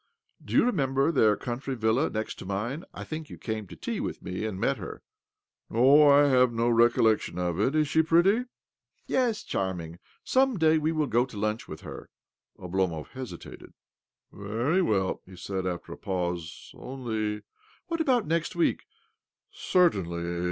Do you remember their country villa, next to mine? I think you came to tea with me and met her there? "" No, I have no recollection of it. Is she pretty? " "Yes, charming. Suppose, one day, we go to lunch with her ?" Oblomov hesitated. " Very well," he said after a pause ;" only "" What about next week? "" Certainly.